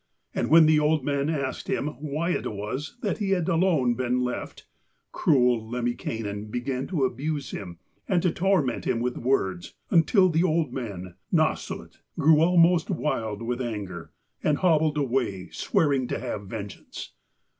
And when the old man asked him why it was that he had alone been left, cruel Lemminkainen began to abuse him and to torment him with words, until the old man, Nasshut, grew almost wild with anger, and hobbled away, swearing to have vengeance.